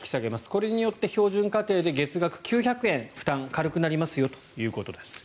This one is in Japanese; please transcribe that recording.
これによって標準家庭で月額９００円負担が軽くなりますよということです。